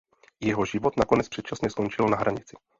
Jeho život nakonec předčasně skončil na hranici.